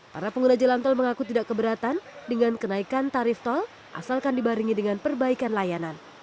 para pengguna jalan tol mengaku tidak keberatan dengan kenaikan tarif tol asalkan dibaringi dengan perbaikan layanan